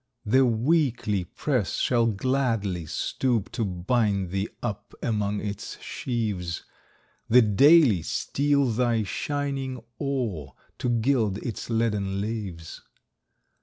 The Weekly press shall gladly stoop To bind thee up among its sheaves; The Daily steal thy shining ore, To gild its leaden leaves.